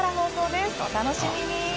お楽しみに。